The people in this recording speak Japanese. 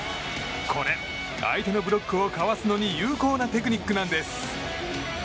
これ、相手のブロックをかわすのに有効なテクニックなんです。